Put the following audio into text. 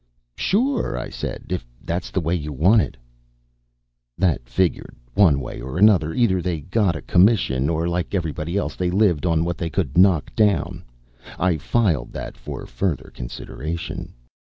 "Sure," I said, "if that's the way you want it." That figured one way or another: either they got a commission, or, like everybody else, they lived on what they could knock down. I filed that for further consideration.